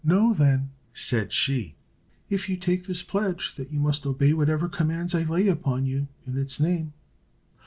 "Know, then," said she, "if you take this pledge, that you must obey whatever commands I lay upon you in its name."